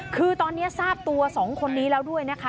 คือตอนนี้ทราบตัว๒คนนี้แล้วด้วยนะคะ